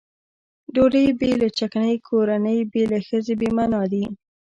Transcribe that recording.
ډوډۍ بې له چکنۍ کورنۍ بې له ښځې بې معنا دي.